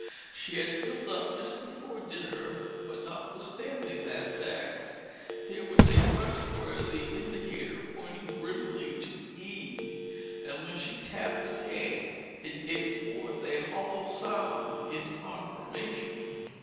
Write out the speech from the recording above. She had filled up just before dinner, but notwithstanding that fact, here was a trustworthy indicator pointing grimly to "E"; and when she tapped the tank, it gave forth a hollow sound in confirmation.